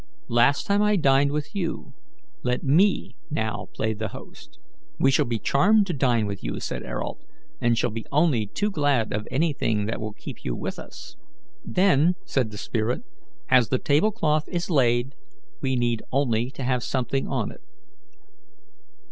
Last time I dined with you; let me now play the host." "We shall be charmed to dine with you," said Ayrault, "and shall be only too glad of anything that will keep you with us." "Then," said the spirit, "as the tablecloth is laid, we need only to have something on it.